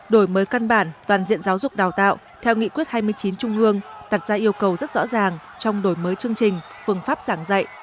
đổi mới căn bản toàn diện giáo dục đào tạo theo nghị quyết hai mươi chín trung ương đặt ra yêu cầu rất rõ ràng trong đổi mới chương trình phương pháp giảng dạy